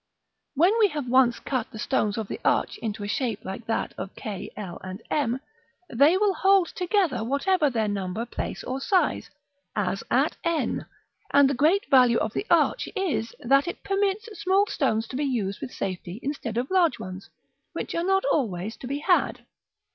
When we have once cut the stones of the arch into a shape like that of k, l, and m, they will hold together, whatever their number, place, or size, as at n; and the great value of the arch is, that it permits small stones to be used with safety instead of large ones, which are not always to be had.